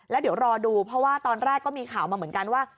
แล้วเดี๋ยวรอดูเพราะว่าตอนแรกก็มีข่าวมาเหมือนกันว่า